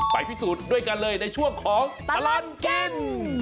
พิสูจน์ด้วยกันเลยในช่วงของตลอดกิน